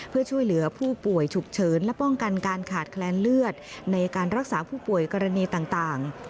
เพื่อช่วยเหลือผู้ป่วยฉุกเฉินและป้องกันการขาดแคลนเลือดในการรักษาผู้ป่วยกรณีต่าง